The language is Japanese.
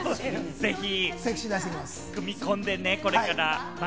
ぜひ組み込んでね、これから。